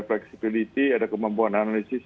flexibility ada kemampuan analisis